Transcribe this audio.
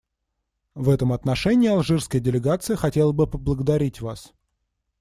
В этом отношении алжирская делегация хотела бы поблагодарить вас,.